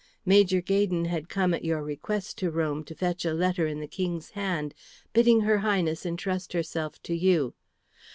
Major Gaydon had come at your request to Rome to fetch a letter in the King's hand, bidding her Highness entrust herself to you.